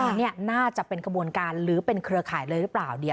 อันนี้น่าจะเป็นกระบวนการหรือเป็นเครือข่ายเลยหรือเปล่าเนี่ย